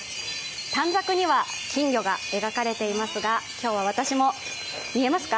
短冊には金魚が描かれていますが今日は私も見えますか？